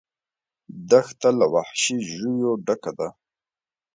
دښته له وحشي ژویو ډکه ده.